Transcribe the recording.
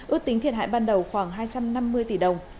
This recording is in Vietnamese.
ước tính thiệt hại ban đầu khoảng hai trăm năm mươi tỷ đồng